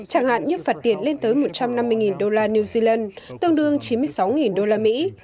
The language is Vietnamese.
chẳng hạn như phạt tiền lên tới một trăm năm mươi đô la new zealand tương đương chín mươi sáu đô la mỹ